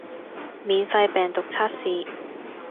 免費病毒測試